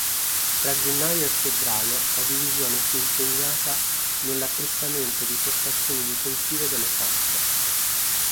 Tra gennaio e febbraio la divisione fu impegnata nell'apprestamento di postazioni difensive delle coste.